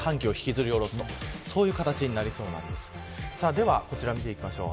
ではこちら見ていきましょう。